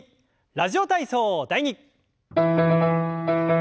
「ラジオ体操第２」。